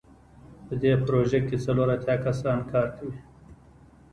په دې پروژه کې څلور اتیا کسان کار کوي.